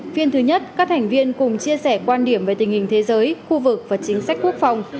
phiên thứ nhất các thành viên cùng chia sẻ quan điểm về tình hình thế giới khu vực và chính sách quốc phòng